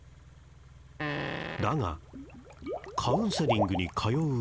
だがカウンセリングに通う